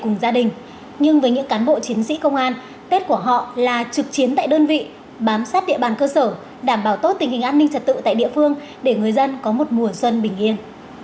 cùng gia đình nhưng với những cán bộ chiến sĩ công an tết của họ là trực chiến tại đơn vị bám sát địa bàn cơ sở đảm bảo tốt tình hình an ninh trật tự tại địa phương để người dân có một mùa xuân bình yên